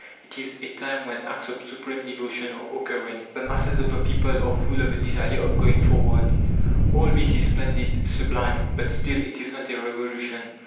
It is a time when acts of supreme devotion are occurring. The masses of the people are full of the desire of going forward. All this is splendid, sublime; but still, it is not a revolution.